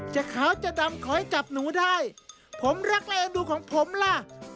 ขาวจะดำขอให้จับหนูได้ผมรักและเอ็นดูของผมล่ะ